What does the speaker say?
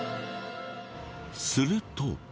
すると。